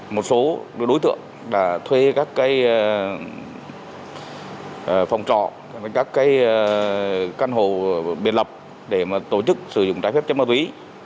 một số đối tượng đã thuê các cái phòng trọ các cái căn hộ biệt lập để mà tổ chức sử dụng trái phép chất mặt túy